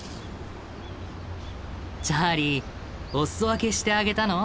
チャーリーお裾分けしてあげたの？